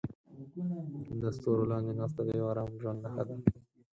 د ستورو لاندې ناسته د یو ارام ژوند نښه ده.